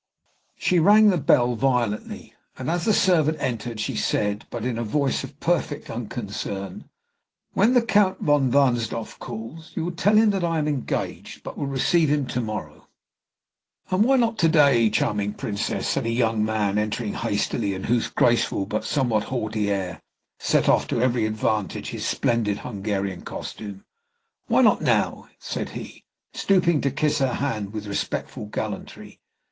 She rang the bell violently, and as the servant entered she said, but in a voice of perfect unconcern, "When the Count von Wahnsdorf calls, you will tell him that I am engaged, but will receive him to morrow " "And why not to day, charming Princess?" said a young man, entering hastily, and whose graceful but somewhat haughty air set off to every advantage his splendid Hungarian costume. "Why not now?" said he, stooping to kiss her hand with respectful gallantry.